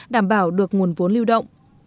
đảm bảo được nguồn vốn lưu động